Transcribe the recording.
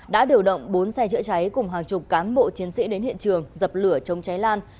đã điều động bốn xe chữa cháy cùng hàng chục cán bộ chiến sĩ đến hiện trường dập lửa chống cháy lan